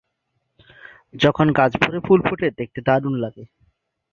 যখন গাছ ভরে ফুল ফোটে, দেখতে দারুণ লাগে।